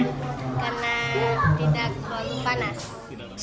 karena tidak panas